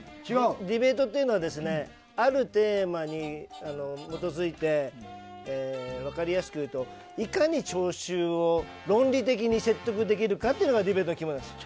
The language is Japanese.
ディベートというのはあるテーマに基づいて分かりやすくいうといかに聴衆を論理的に説得できるかというのがディベートの肝なんです。